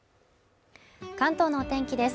関東のお天気です